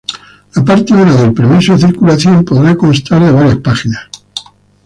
La parte I del permiso de circulación podrá constar de varias páginas.